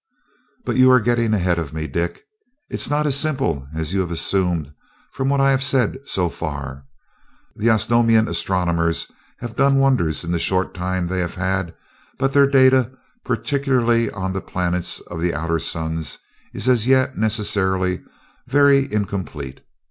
"But you are getting ahead of me, Dick it is not as simple as you have assumed from what I have said so far. The Osnomian astronomers have done wonders in the short time they have had, but their data, particularly on the planets of the outer suns, is as yet necessarily very incomplete.